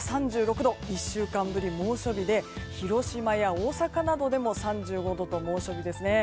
３６度１週間ぶり猛暑日で広島や大阪などでも３５度と猛暑日ですね。